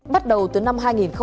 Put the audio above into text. bắt đầu từ năm hai nghìn một mươi tám